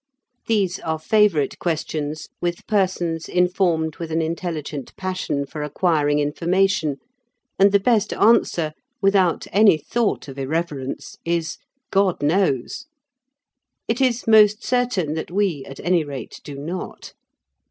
These are favourite questions with persons informed with an intelligent passion for acquiring information, and the best answer, without any thought of irreverence, is "God knows!" It is most certain that we, at any rate, do not.